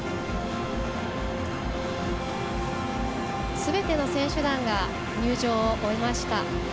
すべての選手団が入場を終えました。